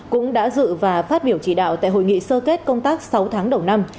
cũng đã dự và phát biểu chỉ đạo tại hội nghị sơ kết công tác sáu tháng đầu năm